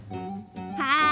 はい。